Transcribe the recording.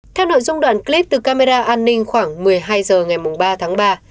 theo nội dung đoạn clip từ camera an ninh khoảng một mươi hai h ngày ba tháng ba